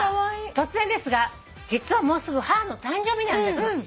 「突然ですが実はもうすぐ母の誕生日なんです」